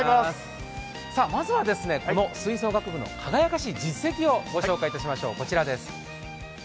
まずはこの吹奏楽部の輝かしい実績をご紹介しましょう。